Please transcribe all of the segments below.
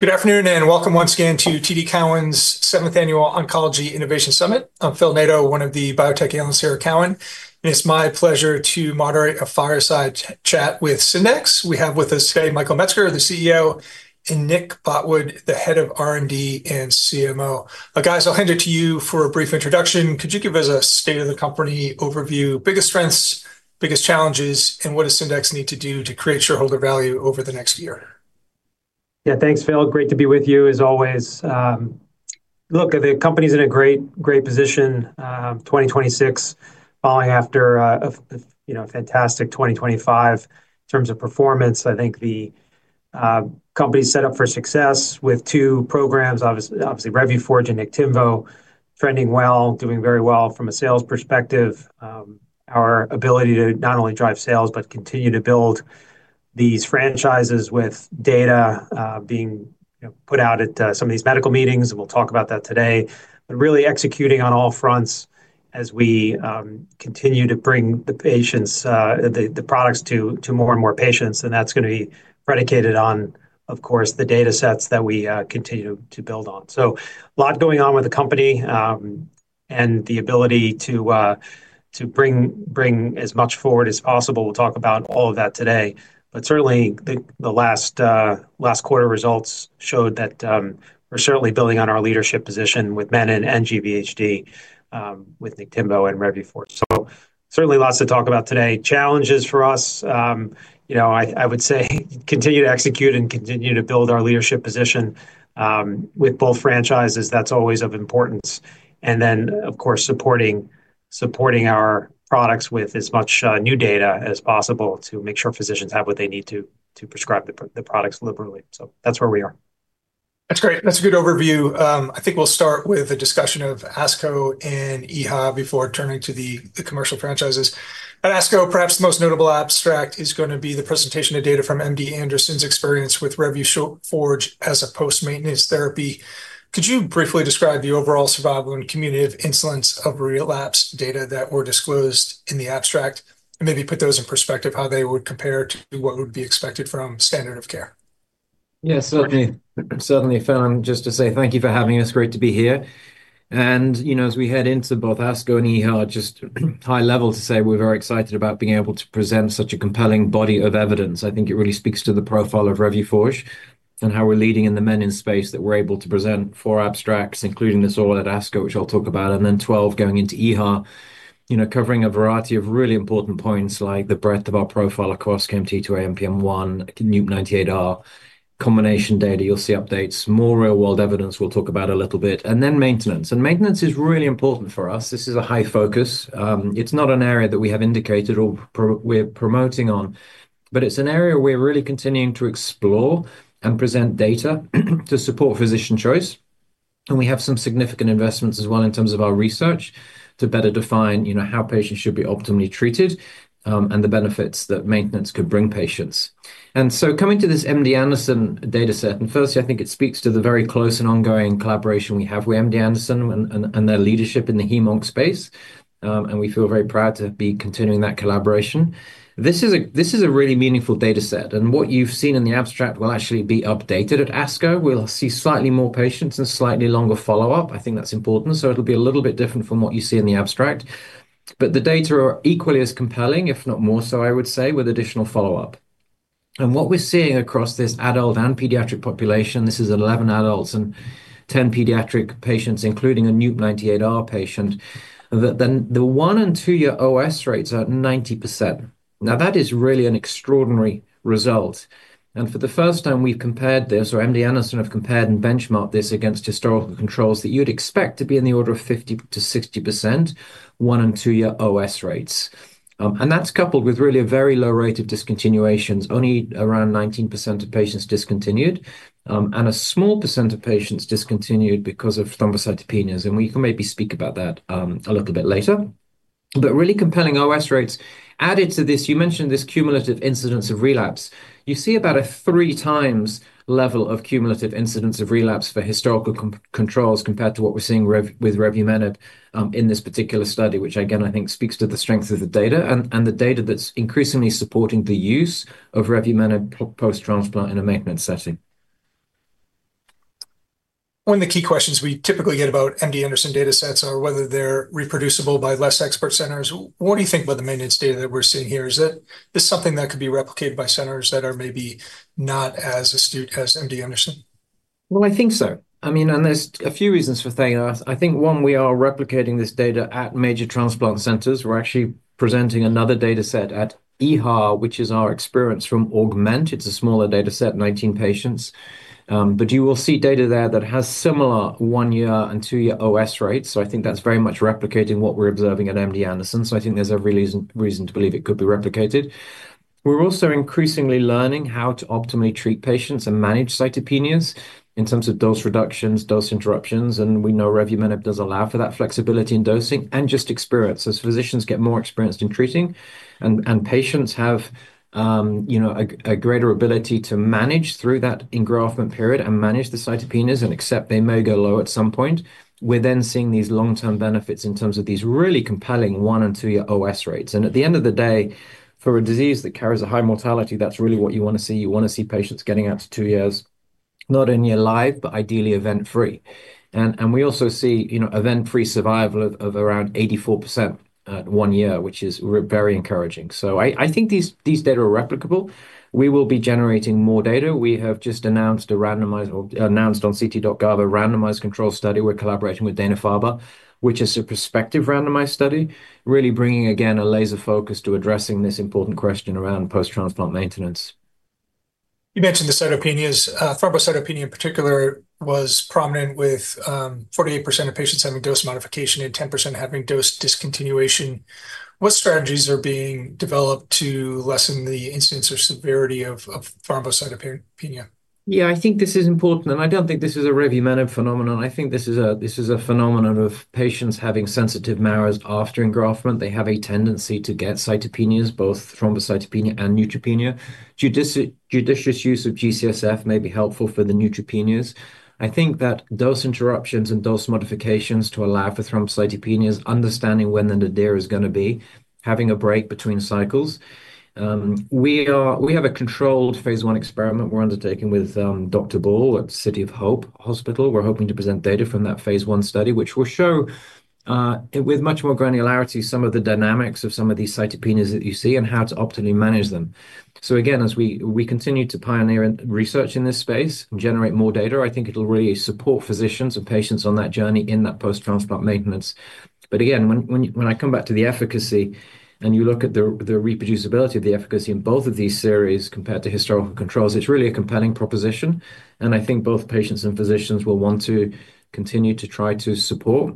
Good afternoon, and welcome once again to TD Cowen's seventh annual Oncology Innovation Summit. I'm Phil Nadeau, one of the biotech analysts here at Cowen, and it's my pleasure to moderate a fireside chat with Syndax. We have with us today Michael Metzger, the CEO, and Nick Botwood, the Head of R&D and CMO. Guys, I'll hand it to you for a brief introduction. Could you give us a state of the company overview, biggest strengths, biggest challenges, and what does Syndax need to do to create shareholder value over the next year? Yeah, thanks, Phil. Great to be with you as always. Look, the company's in a great position, 2026, following after a fantastic 2025 in terms of performance. I think the company's set up for success with two programs, obviously, Revuforj and Niktimvo, trending well, doing very well from a sales perspective. Our ability to not only drive sales, but continue to build these franchises with data being put out at some of these medical meetings, and we'll talk about that today. Really executing on all fronts as we continue to bring the products to more and more patients, and that's going to be predicated on, of course, the data sets that we continue to build on. A lot going on with the company, and the ability to bring as much forward as possible. We'll talk about all of that today. Certainly, the last quarter results showed that we're certainly building on our leadership position with menin and GVHD with Niktimvo and Revuforj. Certainly lots to talk about today. Challenges for us, I would say continue to execute and continue to build our leadership position with both franchises. That's always of importance. Of course, supporting our products with as much new data as possible to make sure physicians have what they need to prescribe the products liberally. That's where we are. That's great. That's a good overview. I think we'll start with a discussion of ASCO and EHA before turning to the commercial franchises. At ASCO, perhaps the most notable abstract is going to be the presentation of data from MD Anderson's experience with Revuforj as a post-maintenance therapy. Could you briefly describe the overall survival and cumulative incidence of relapse data that were disclosed in the abstract, and maybe put those in perspective, how they would compare to what would be expected from standard of care? Yeah, certainly, Certainly, Phil, just to say thank you for having us. Great to be here. As we head into both ASCO and EHA, just high level to say we're very excited about being able to present such a compelling body of evidence. I think it really speaks to the profile of Revuforj and how we're leading in the menin space that we're able to present four abstracts, including this all at ASCO, which I'll talk about, then 12 going into EHA, covering a variety of really important points like the breadth of our profile across KMT2A, NPM1, NUP98r combination data. You'll see updates, more real-world evidence we'll talk about a little bit, then maintenance. Maintenance is really important for us. This is a high focus. It's not an area that we have indicated or we're promoting on, but it's an area we're really continuing to explore and present data to support physician choice. We have some significant investments as well in terms of our research to better define how patients should be optimally treated, and the benefits that maintenance could bring patients. Coming to this MD Anderson data set, firstly, I think it speaks to the very close and ongoing collaboration we have with MD Anderson and their leadership in the hemonc space. We feel very proud to be continuing that collaboration. This is a really meaningful data set, what you've seen in the abstract will actually be updated at ASCO. We'll see slightly more patients and slightly longer follow-up, I think that's important. It'll be a little bit different from what you see in the abstract. The data are equally as compelling, if not more so, I would say, with additional follow-up. What we're seeing across this adult and pediatric population, this is 11 adults and 10 pediatric patients, including a NUP98-r patient, the one and two year OS rates are at 90%. Now, that is really an extraordinary result. For the first time, we've compared this, or MD Anderson have compared and benchmarked this against historical controls that you'd expect to be in the order of 50%-60% one and two year OS rates. That's coupled with really a very low rate of discontinuations. Only around 19% of patients discontinued, and a small percent of patients discontinued because of thrombocytopenias, and we can maybe speak about that a little bit later. Really compelling OS rates. Added to this, you mentioned this cumulative incidence of relapse. You see about a three times level of cumulative incidence of relapse for historical controls compared to what we're seeing with Revumenib in this particular study, which again, I think speaks to the strength of the data and the data that's increasingly supporting the use of Revumenib post-transplant in a maintenance setting. One of the key questions we typically get about MD Anderson data sets are whether they're reproducible by less expert centers. What do you think about the maintenance data that we're seeing here? Is this something that could be replicated by centers that are maybe not as astute as MD Anderson? Well, I think so. There's a few reasons for saying that. I think, one, we are replicating this data at major transplant centers. We're actually presenting another data set at EHA, which is our experience from Augment. It's a smaller data set, 19 patients. You will see data there that has similar one-year and two-year OS rates, so I think that's very much replicating what we're observing at MD Anderson. I think there's a real reason to believe it could be replicated. We're also increasingly learning how to optimally treat patients and manage cytopenias in terms of dose reductions, dose interruptions, and we know revumenib does allow for that flexibility in dosing, and just experience. As physicians get more experienced in treating and patients have a greater ability to manage through that engraftment period and manage the cytopenias and accept they may go low at some point, we're then seeing these long-term benefits in terms of these really compelling one and two-year OS rates. At the end of the day, for a disease that carries a high mortality, that's really what you want to see. You want to see patients getting out to two years not only alive, but ideally event-free. We also see event-free survival of around 84% at one year, which is very encouraging. I think these data are replicable. We will be generating more data. We have just announced on ct.gov a randomized control study. We're collaborating with Dana-Farber, which is a prospective randomized study, really bringing, again a laser focus to addressing this important question around post-transplant maintenance. You mentioned the cytopenias. Thrombocytopenia, in particular, was prominent, with 48% of patients having dose modification and 10% having dose discontinuation. What strategies are being developed to lessen the incidence or severity of thrombocytopenia? I think this is important, I don't think this is a revumenib phenomenon. I think this is a phenomenon of patients having sensitive marrows after engraftment. They have a tendency to get cytopenias, both thrombocytopenia and neutropenia. Judicious use of G-CSF may be helpful for the neutropenias. I think that dose interruptions and dose modifications to allow for thrombocytopenias, understanding when the nadir is going to be, having a break between cycles. We have a controlled phase I experiment we're undertaking with Dr. Ball at City of Hope Hospital. We're hoping to present data from that phase I study, which will show with much more granularity, some of the dynamics of some of these cytopenias that you see and how to optimally manage them. Again, as we continue to pioneer research in this space and generate more data, I think it'll really support physicians and patients on that journey in that post-transplant maintenance. Again, when I come back to the efficacy and you look at the reproducibility of the efficacy in both of these series compared to historical controls, it's really a compelling proposition, and I think both patients and physicians will want to continue to try to support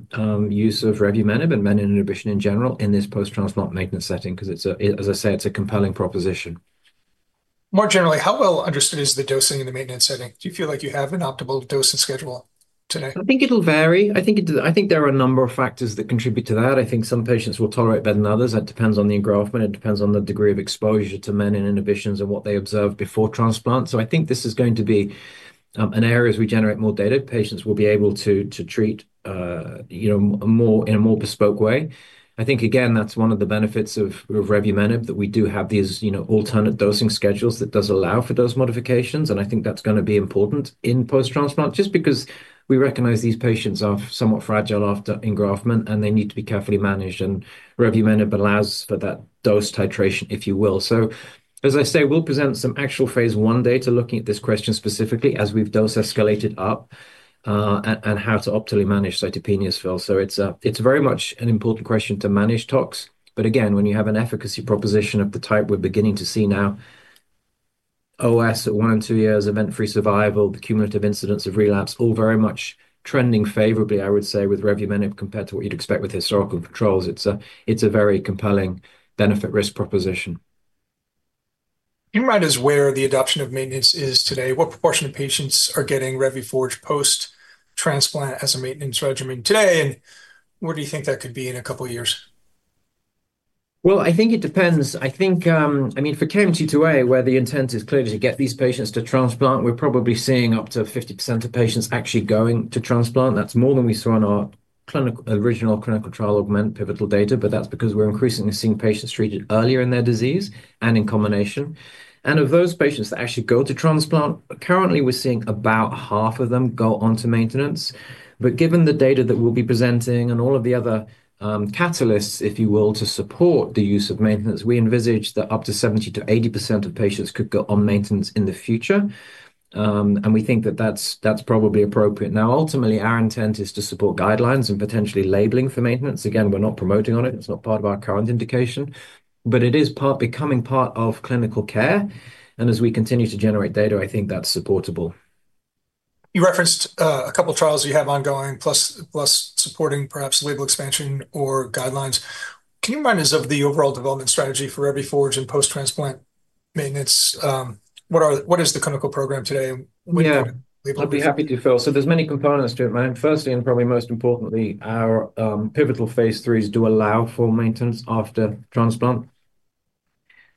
use of revumenib and menin inhibition in general in this post-transplant maintenance setting, because as I say, it's a compelling proposition. More generally, how well understood is the dosing in the maintenance setting? Do you feel like you have an optimal dosing schedule today? I think it'll vary. I think there are a number of factors that contribute to that. I think some patients will tolerate better than others. That depends on the engraftment. It depends on the degree of exposure to menin inhibitions and what they observe before transplant. I think this is going to be an area, as we generate more data, patients will be able to treat in a more bespoke way. I think again that's one of the benefits of revumenib, that we do have these alternate dosing schedules that does allow for dose modifications, and I think that's going to be important in post-transplant, just because we recognize these patients are somewhat fragile after engraftment and they need to be carefully managed, and revumenib allows for that dose titration if you will. As I say, we'll present some actual phase I data looking at this question specifically as we've dose escalated up, and how to optimally manage cytopenias, Phil. It's very much an important question to manage tox, but again, when you have an efficacy proposition of the type we're beginning to see now, OS at one and two years event-free survival, the cumulative incidence of relapse, all very much trending favorably, I would say with revumenib compared to what you'd expect with historical controls. It's a very compelling benefit-risk proposition. Keep in mind is where the adoption of maintenance is today. What proportion of patients are getting Revuforj post-transplant as a maintenance regimen today, and where do you think that could be in a couple of years? Well, I think it depends. For KMT2A, where the intent is clearly to get these patients to transplant, we're probably seeing up to 50% of patients actually going to transplant. That's more than we saw in our original clinical trial AUGMENT-101 pivotal data, but that's because we're increasingly seeing patients treated earlier in their disease and in combination. Of those patients that actually go to transplant, currently, we're seeing about half of them go on to maintenance. Given the data that we'll be presenting and all of the other catalysts, if you will, to support the use of maintenance, we envisage that up to 70%-80% of patients could go on maintenance in the future, and we think that that's probably appropriate. Now, ultimately, our intent is to support guidelines and potentially labeling for maintenance. Again, we're not promoting on it. It's not part of our current indication, but it is becoming part of clinical care. As we continue to generate data, I think that's supportable. You referenced a couple of trials you have ongoing, plus supporting perhaps label expansion or guidelines. Can you remind us of the overall development strategy for Revuforj and post-transplant maintenance? What is the clinical program today? When do you want to label- Yeah. I'd be happy to Phil. There's many components to it. Firstly, and probably most importantly, our pivotal Phase IIIs do allow for maintenance after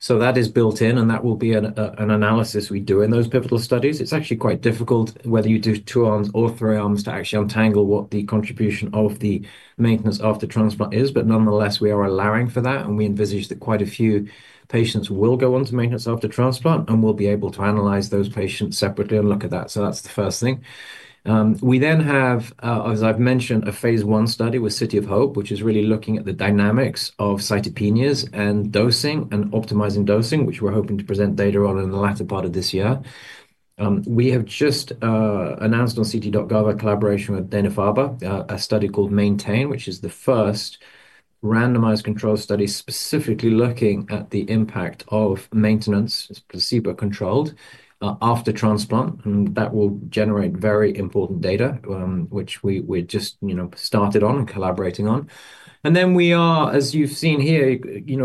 transplant. That is built in and that will be an analysis we do in those pivotal studies. It's actually quite difficult whether you do two arms or three arms to actually untangle what the contribution of the maintenance after transplant is. Nonetheless, we are allowing for that, and we envisage that quite a few patients will go onto maintenance after transplant, and we'll be able to analyze those patients separately and look at that. That's the first thing. We have, as I've mentioned, a Phase I study with City of Hope, which is really looking at the dynamics of cytopenias and dosing and optimizing dosing, which we're hoping to present data on in the latter part of this year. We have just announced on ClinicalTrials.gov a collaboration with Dana-Farber, a study called MAINTAIN, which is the first randomized control study specifically looking at the impact of maintenance. It's placebo-controlled after transplant, and that will generate very important data, which we just started on and collaborating on. We are, as you've seen here,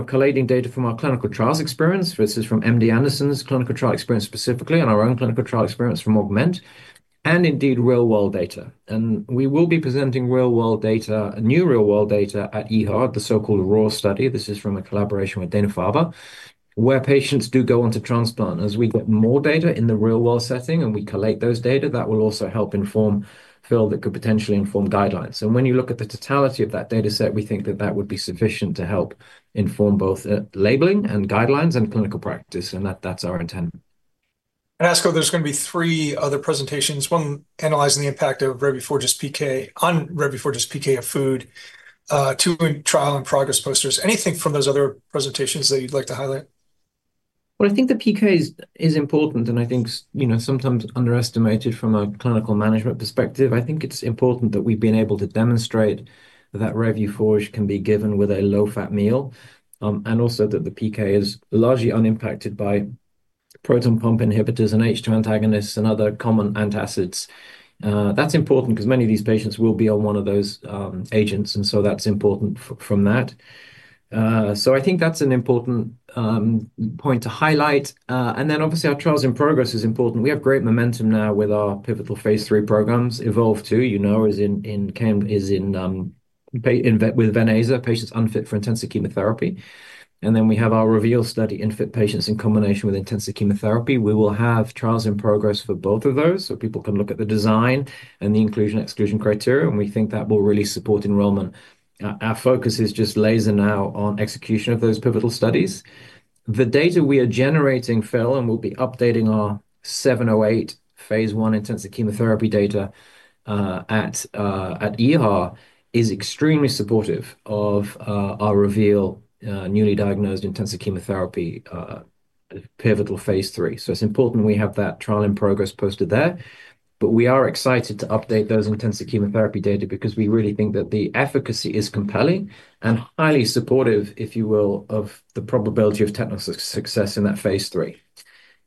collating data from our clinical trials experience. This is from MD Anderson's clinical trial experience specifically and our own clinical trial experience from AUGMENT, and indeed real-world data. We will be presenting real-world data, new real-world data at EHA, the so-called RAW study. This is from a collaboration with Dana-Farber, where patients do go on to transplant. As we get more data in the real-world setting and we collate those data, that will also help inform, Phil, that could potentially inform guidelines. When you look at the totality of that data set, we think that that would be sufficient to help inform both labeling and guidelines and clinical practice, and that's our intent. ASCO, there's going to be three other presentations, one analyzing the impact of Revuforj PK, on Revuforj PK of food, two in trial and progress posters. Anything from those other presentations that you'd like to highlight? I think the PK is important, and I think sometimes underestimated from a clinical management perspective. I think it's important that we've been able to demonstrate that Revuforj can be given with a low-fat meal, and also that the PK is largely unimpacted by proton pump inhibitors and H2 antagonists and other common antacids. That's important because many of these patients will be on one of those agents, and so that's important from that. I think that's an important point to highlight. Our trials in progress is important. We have great momentum now with our pivotal phase III programs. EVOLVE-2, you know, is in with venetoclax, patients unfit for intensive chemotherapy. We have our REVEAL study in fit patients in combination with intensive chemotherapy. We will have trials in progress for both of those, so people can look at the design and the inclusion/exclusion criteria, and we think that will really support enrollment. Our focus is just laser now on execution of those pivotal studies. The data we are generating, Phil, and we'll be updating our 708 Phase I intensive chemotherapy data at EHA, is extremely supportive of our REVEAL newly diagnosed intensive chemotherapy, pivotal Phase III. It's important we have that trial in progress posted there. We are excited to update those intensive chemotherapy data because we really think that the efficacy is compelling and highly supportive, if you will, of the probability of technical success in that Phase III.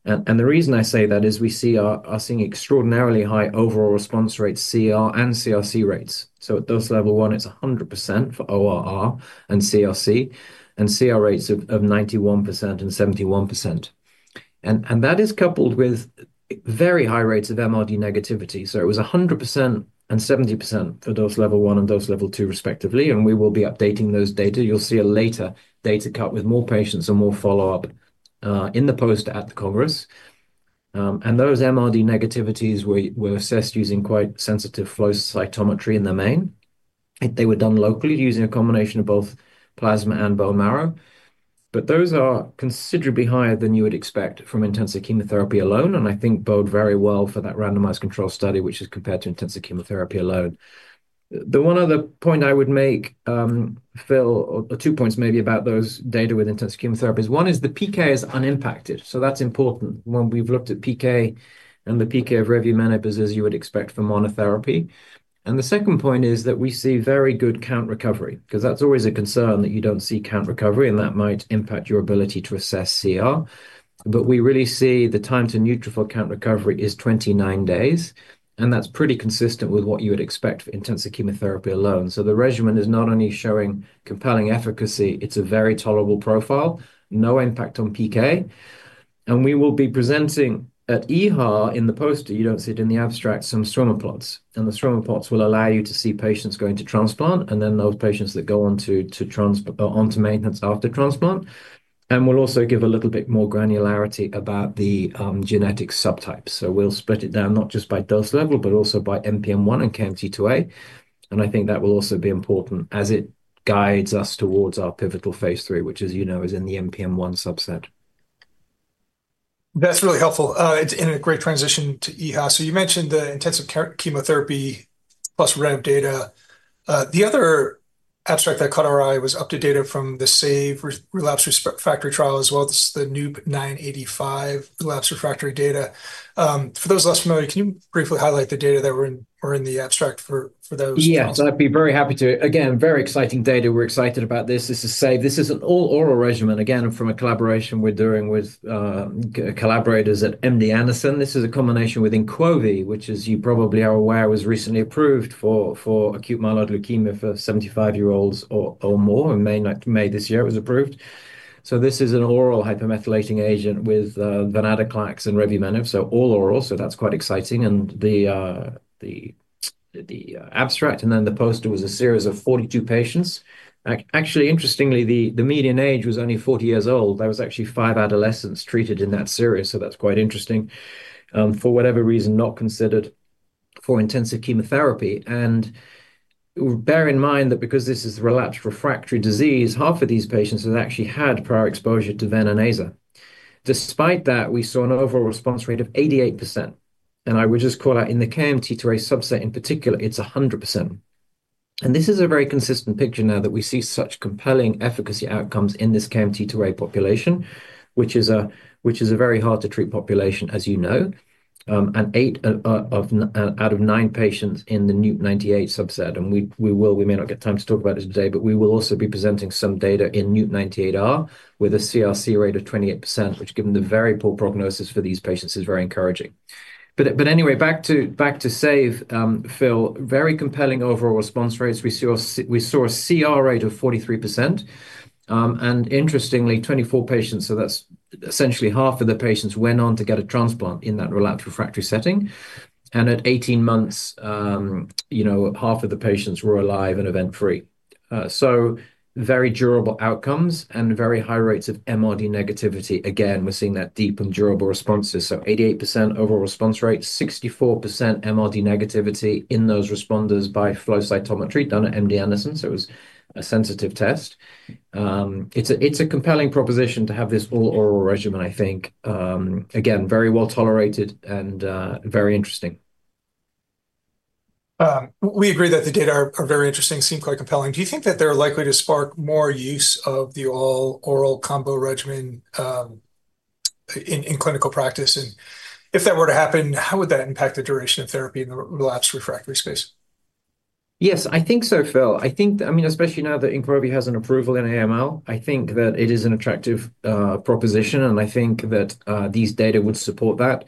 The reason I say that is we are seeing extraordinarily high overall response rates, CR and CRc rates. At dose level one, it's 100% for ORR and CRc, and CR rates of 91% and 71%. That is coupled with very high rates of MRD negativity. It was 100% and 70% for dose level one and dose level two respectively, and we will be updating those data. You'll see a later data cut with more patients and more follow-up in the post at the Congress. Those MRD negativities were assessed using quite sensitive flow cytometry in the main. They were done locally using a combination of both plasma and bone marrow. Those are considerably higher than you would expect from intensive chemotherapy alone, and I think bode very well for that randomized control study, which is compared to intensive chemotherapy alone. The one other point I would make, Phil, or two points maybe about those data with intensive chemotherapy, is one, the PK is unimpacted. That's important when we've looked at PK and the PK of revumenib as you would expect for monotherapy. The second point is that we see very good count recovery, because that's always a concern that you don't see count recovery, and that might impact your ability to assess CR. We really see the time to neutrophil count recovery is 29 days, and that's pretty consistent with what you would expect for intensive chemotherapy alone. The regimen is not only showing compelling efficacy, it's a very tolerable profile, no impact on PK. We will be presenting at EHA in the poster, you don't see it in the abstract, some swimmer plots. The swimmer plots will allow you to see patients going to transplant, and then those patients that go on to maintenance after transplant. We'll also give a little bit more granularity about the genetic subtypes. We'll split it down not just by dose level, but also by NPM1 and KMT2A. I think that will also be important as it guides us towards our pivotal Phase III, which as you know, is in the NPM1 subset. That's really helpful. It's in a great transition to EHA. You mentioned the intensive chemotherapy plus rev data. The other abstract that caught our eye was up to data from the SAVE relapsed refractory trial as well. This is the NUP98-rearranged relapse refractory data. For those less familiar, can you briefly highlight the data that were in the abstract for those trials? Yeah. I'd be very happy to. Very exciting data. We're excited about this. This is SAVE. This is an all-oral regimen from a collaboration we're doing with collaborators at MD Anderson. This is a combination with INQOVI, which as you probably are aware, was recently approved for acute myeloid leukemia for 75-year-olds or more. In May this year it was approved. This is an oral hypomethylating agent with venetoclax and revumenib, all oral, that's quite exciting. The abstract and the poster was a series of 42 patients. Actually, interestingly, the median age was only 40 years old. There was actually five adolescents treated in that series, that's quite interesting. For whatever reason, not considered for intensive chemotherapy. Bear in mind that because this is relapsed refractory disease, half of these patients have actually had prior exposure to Vena and Aza. Despite that, we saw an overall response rate of 88%. I would just call out in the KMT2A subset in particular, it's 100%. This is a very consistent picture now that we see such compelling efficacy outcomes in this KMT2A population, which is a very hard-to-treat population, as you know. eight out of nine patients in the NUP98 subset, and we may not get time to talk about it today, but we will also be presenting some data in NUP98-R with a CRc rate of 28%, which given the very poor prognosis for these patients, is very encouraging. Anyway, back to SAVE, Phil. Very compelling overall response rates. We saw a CR rate of 43%, and interestingly, 24 patients, so that's essentially half of the patients, went on to get a transplant in that relapsed refractory setting. At 18 months, half of the patients were alive and event-free. Very durable outcomes and very high rates of MRD negativity. Again, we're seeing that deep and durable responses. 88% overall response rate, 64% MRD negativity in those responders by flow cytometry done at MD Anderson, so it was a sensitive test. It's a compelling proposition to have this all-oral regimen, I think, again, very well tolerated and very interesting We agree that the data are very interesting, seem quite compelling. Do you think that they're likely to spark more use of the all-oral combo regimen in clinical practice? If that were to happen, how would that impact the duration of therapy in the relapsed refractory space? Yes, I think so, Phil. Especially now that INQOVI has an approval in AML, I think that it is an attractive proposition. I think that these data would support that.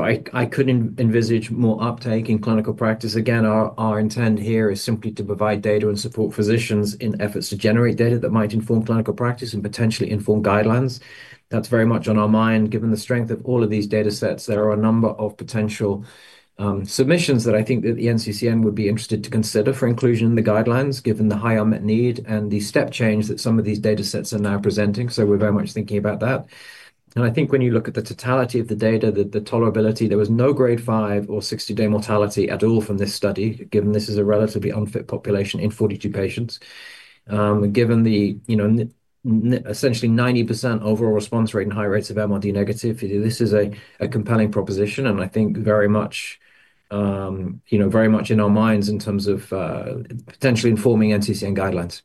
I could envisage more uptake in clinical practice. Again, our intent here is simply to provide data and support physicians in efforts to generate data that might inform clinical practice and potentially inform guidelines. That's very much on our mind, given the strength of all of these data sets. There are a number of potential submissions that I think that the NCCN would be interested to consider for inclusion in the guidelines, given the high unmet need and the step change that some of these data sets are now presenting. We're very much thinking about that. I think when you look at the totality of the data, the tolerability, there was no Grade five or 60-day mortality at all from this study, given this is a relatively unfit population in 42 patients. Given the essentially 90% overall response rate and high rates of MRD negative, this is a compelling proposition, and I think very much in our minds in terms of potentially informing NCCN guidelines.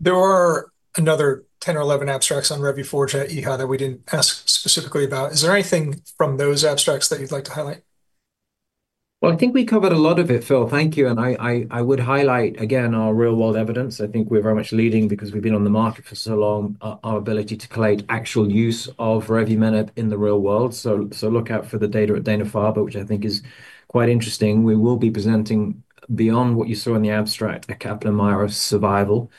There are another 10 or 11 abstracts on Revuforj at EHA that we didn't ask specifically about. Is there anything from those abstracts that you'd like to highlight? Well, I think we covered a lot of it, Phil. Thank you. I would highlight again, our real-world evidence. I think we're very much leading because we've been on the market for so long, our ability to collate actual use of revumenib in the real world. Look out for the data at Dana-Farber, which I think is quite interesting. We will be presenting beyond what you saw in the abstract, a Kaplan-Meier of survival,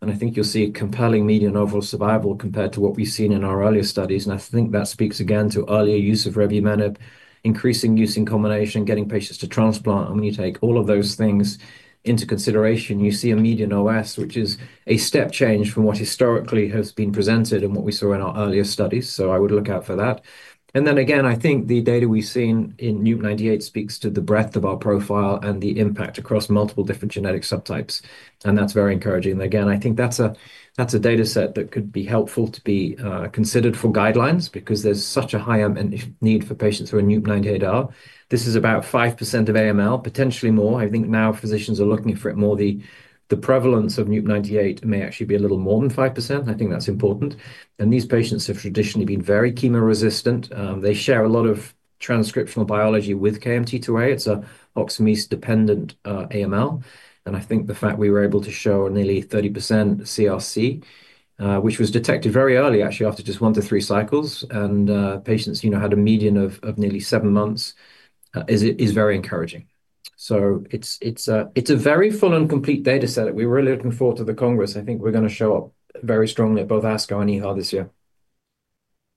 and I think you'll see a compelling median overall survival compared to what we've seen in our earlier studies. I think that speaks again to earlier use of revumenib, increasing use in combination, getting patients to transplant. When you take all of those things into consideration, you see a median OS, which is a step change from what historically has been presented and what we saw in our earlier studies. I would look out for that. Again, I think the data we've seen in NUP98 speaks to the breadth of our profile and the impact across multiple different genetic subtypes, and that's very encouraging. Again, I think that's a data set that could be helpful to be considered for guidelines because there's such a high unmet need for patients who are NUP98-r. This is about 5% of AML, potentially more. I think now physicians are looking for it more. The prevalence of NUP98 may actually be a little more than 5%, and I think that's important. These patients have traditionally been very chemo-resistant. They share a lot of transcriptional biology with KMT2A. It's a HOXA/MEIS-dependent AML. I think the fact we were able to show nearly 30% CRc, which was detected very early, actually, after just one to three cycles, and patients had a median of nearly seven months, is very encouraging. It's a very full and complete data set that we're really looking forward to the Congress. I think we're going to show up very strongly at both ASCO and EHA this year.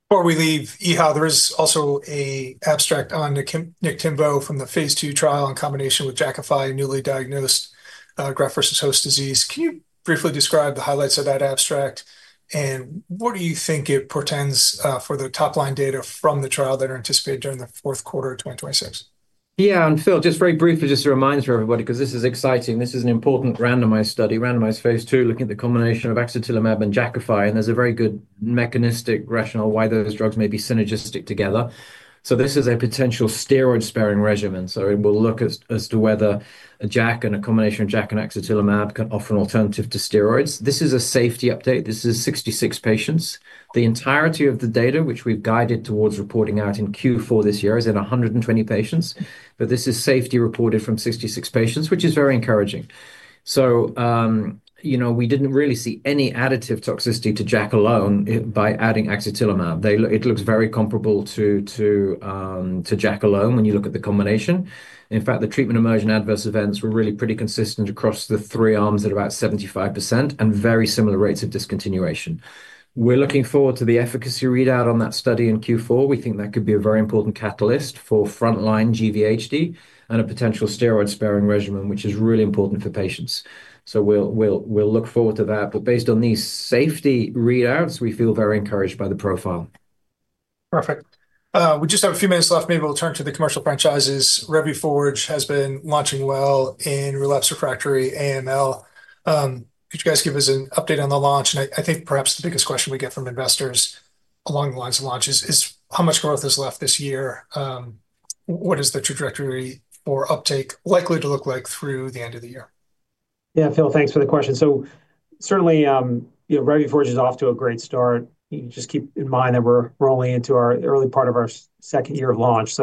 Before we leave EHA, there is also an abstract on Niktimvo from the phase II trial in combination with Jakafi newly diagnosed graft-versus-host disease. Can you briefly describe the highlights of that abstract, and what do you think it portends for the top-line data from the trial that are anticipated during the fourth quarter of 2026? Yeah. Phil, just very briefly, just a reminder for everybody, because this is exciting. This is an important randomized study, randomized phase II, looking at the combination of axatilimab and Jakafi. There's a very good mechanistic rationale why those drugs may be synergistic together. This is a potential steroid-sparing regimen. It will look as to whether a JAK and a combination of JAK and axatilimab can offer an alternative to steroids. This is a safety update. This is 66 patients. The entirety of the data, which we've guided towards reporting out in Q4 this year, is in 120 patients. This is safety reported from 66 patients, which is very encouraging. We didn't really see any additive toxicity to JAK alone by adding axatilimab. It looks very comparable to JAK alone when you look at the combination. In fact, the treatment-emergent adverse events were really pretty consistent across the three arms at about 75% and very similar rates of discontinuation. We're looking forward to the efficacy readout on that study in Q4. We think that could be a very important catalyst for frontline GVHD and a potential steroid-sparing regimen, which is really important for patients. We'll look forward to that. Based on these safety readouts, we feel very encouraged by the profile. Perfect. We just have a few minutes left. Maybe we'll turn to the commercial franchises. Revuforj has been launching well in relapsed/refractory AML. Could you guys give us an update on the launch? I think perhaps the biggest question we get from investors along the lines of launch is how much growth is left this year? What is the trajectory for uptake likely to look like through the end of the year? Yeah, Phil, thanks for the question. Certainly, Revuforj is off to a great start. Just keep in mind that we're rolling into our early part of our second year of launch.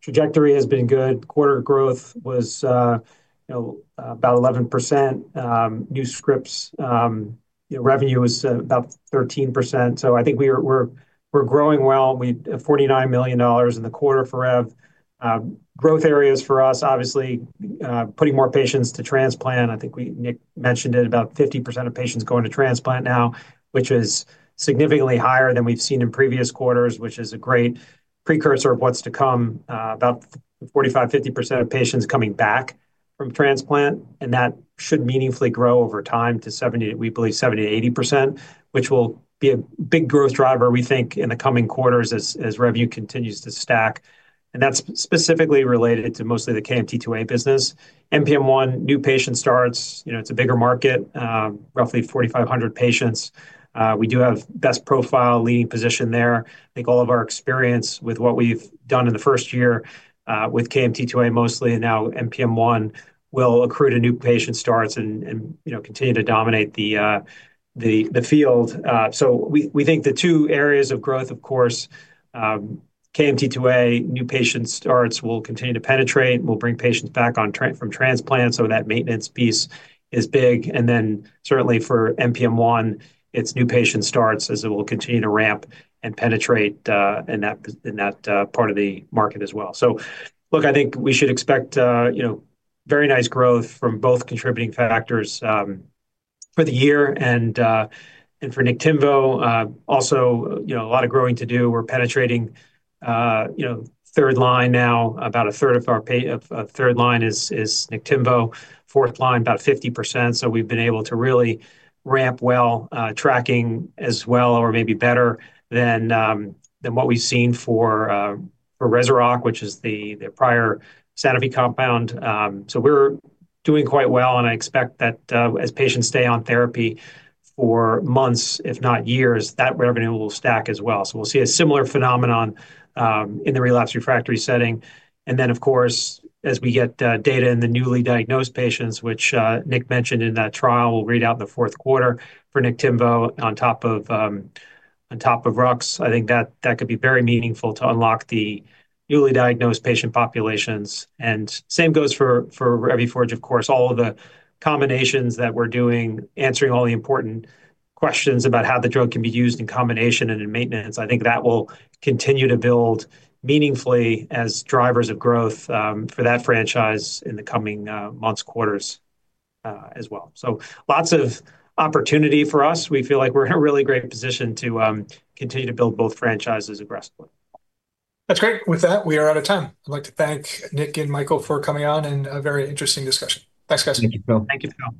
Trajectory has been good. Quarter growth was about 11%. New scripts revenue was about 13%. I think we're growing well. We have $49 million in the quarter for rev. Growth areas for us, obviously, putting more patients to transplant. I think Nick mentioned it, about 50% of patients going to transplant now, which is significantly higher than we've seen in previous quarters, which is a great precursor of what's to come. About 45%-50% of patients coming back from transplant, and that should meaningfully grow over time to, we believe, 70%-80%, which will be a big growth driver, we think, in the coming quarters as revu continues to stack. That's specifically related to mostly the KMT2A business. NPM1, new patient starts. It's a bigger market, roughly 4,500 patients. We do have best profile leading position there. I think all of our experience with what we've done in the first year, with KMT2A mostly, and now NPM1, will accrue to new patient starts and continue to dominate the field. We think the two areas of growth, of course, KMT2A, new patient starts will continue to penetrate, will bring patients back from transplants, so that maintenance piece is big. Certainly for NPM1, it's new patient starts as it will continue to ramp and penetrate in that part of the market as well. Look, I think we should expect very nice growth from both contributing factors for the year. For Niktimvo, also a lot of growing to do. We're penetrating third line now. About a third of third line is Niktimvo. Fourth line, about 50%. We've been able to really ramp well, tracking as well or maybe better than what we've seen for REZUROCK, which is the prior Sanofi compound. We're doing quite well, and I expect that as patients stay on therapy for months, if not years, that revenue will stack as well. We'll see a similar phenomenon in the relapse refractory setting. Of course, as we get data in the newly diagnosed patients, which Nick mentioned in that trial, we'll read out in the fourth quarter for Niktimvo on top of ruxolitinib. I think that could be very meaningful to unlock the newly diagnosed patient populations. Same goes for Revuforj, of course, all of the combinations that we're doing, answering all the important questions about how the drug can be used in combination and in maintenance. I think that will continue to build meaningfully as drivers of growth for that franchise in the coming months, quarters as well. Lots of opportunity for us. We feel like we're in a really great position to continue to build both franchises aggressively. That's great. With that, we are out of time. I'd like to thank Nick and Michael for coming on and a very interesting discussion. Thanks, guys. Thank you, Phil. Thank you, Phil